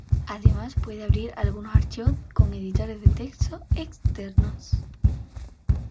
Además puede abrir algunos archivos con editores de texto externos.